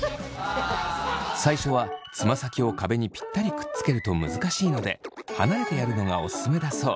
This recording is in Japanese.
最初はつま先を壁にぴったりくっつけると難しいので離れてやるのがオススメだそう。